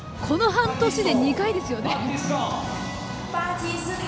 この半年で２回ですよね。